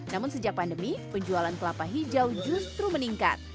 namun sejak pandemi penjualan kelapa hijau justru meningkat